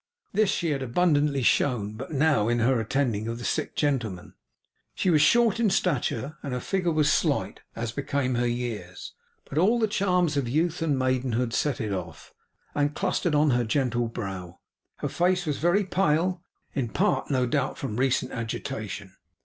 This she had abundantly shown, but now, in her tending of the sick gentleman. She was short in stature; and her figure was slight, as became her years; but all the charms of youth and maidenhood set it off, and clustered on her gentle brow. Her face was very pale, in part no doubt from recent agitation.